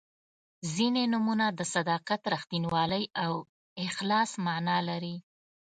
•ځینې نومونه د صداقت، رښتینولۍ او اخلاص معنا لري.